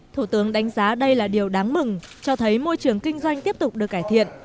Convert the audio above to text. thủ tướng đánh giá đây là điều đáng mừng cho thấy môi trường kinh doanh tiếp tục được cải thiện